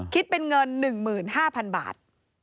คิดเป็นเงิน๑๕๐๐๐บาท